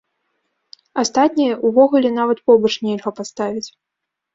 Астатняе увогуле нават побач нельга паставіць.